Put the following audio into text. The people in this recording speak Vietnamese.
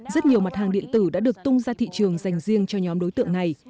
rất nhiều mặt hàng điện tử đã được tung ra thị trường dành riêng cho nhóm đối tượng này